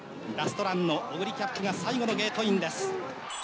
ラストランのオグリキャップが最後のゲートインです。